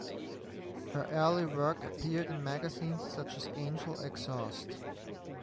Her early work appeared in magazines such as Angel Exhaust.